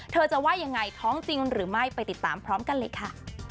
เธอจะว่ายังไงท้องจริงหรือไม่ไปติดตามพร้อมกันเลยค่ะ